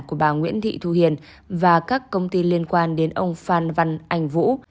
của bà nguyễn thị thu hiền và các công ty liên quan đến ông phan văn anh vũ